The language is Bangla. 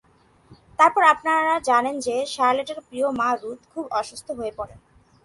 তারপর আপনারা জানেন যে, শার্লেটের প্রিয় মা রুথ, খুব অসুস্থ হয়ে পড়েন।